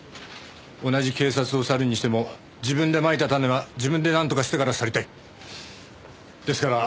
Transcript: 同じ警察を去るにしても自分でまいた種は自分でなんとかしてから去りたい。ですから。